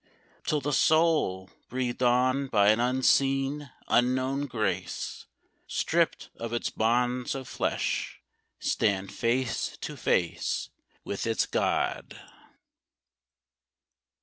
Till the Soul, breathed on by an unseen, unknown Grace, Stripped of its bonds of flesh, stand face to face with its God!